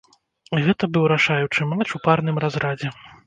Гэта быў рашаючы матч у парным разрадзе.